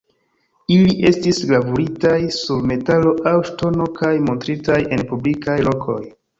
Ili estis gravuritaj sur metalo aŭ ŝtono kaj montritaj en publikaj lokoj.